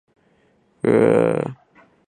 普雷里县是美国蒙大拿州东部的一个县。